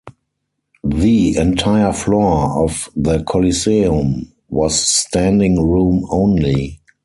The entire floor of the coliseum was standing room only.